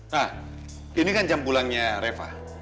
nah ini kan jam pulangnya reva